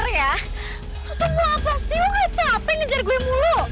lo tuh mau apa sih lo gak capek ngejar gue mulu